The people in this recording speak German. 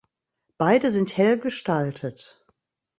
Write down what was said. Beide sind hell gestaltet.